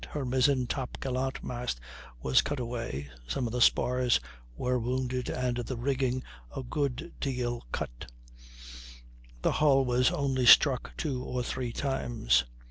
Her mizzen top gallant mast was cut away, some of the spars were wounded, and the rigging a good deal cut; the hull was only struck two or three times.